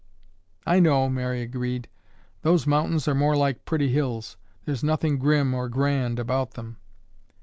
"I know," Mary agreed. "Those mountains are more like pretty hills. There's nothing grim or grand about them."